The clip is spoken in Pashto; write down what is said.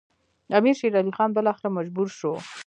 امیر شېر علي خان بالاخره مجبور شو.